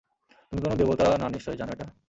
তুমি কোনো দেবতা না নিশ্চয়ই জানো সেটা?